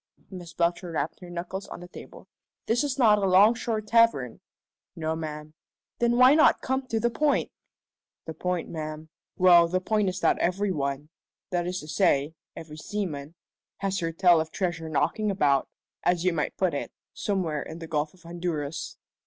Miss Belcher rapped her knuckles on the table. "This is not a 'longshore tavern." "No, ma'am." "Then why not come to the point?" "The point, ma'am well, the point is that every one that is to say, every seaman has heard tell of treasure knocking about, as you might put it, somewhere in the Gulf of Honduras."